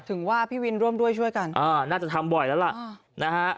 ถึงว่าพี่วินร่วมด้วยช่วยกันอ่าน่าจะทำบ่อยแล้วล่ะนะฮะ